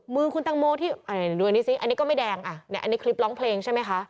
มือคุณตังโมที่ดูอันนี้สิอันนี้ก็ไม่แดงอ่ะอันนี้คลิปร้องเพลงใช่ไหมคะ